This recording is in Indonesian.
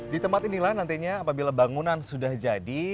di tempat inilah nantinya apabila bangunan sudah jadi